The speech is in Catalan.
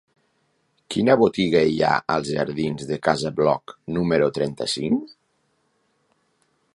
Quina botiga hi ha als jardins de Casa Bloc número trenta-cinc?